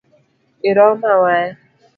Iroma waya